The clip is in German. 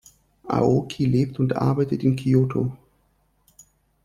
Aoki lebt und arbeitet in Kyōto.